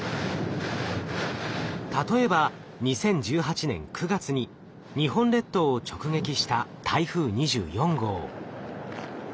例えば２０１８年９月に日本列島を直撃した台風２４号。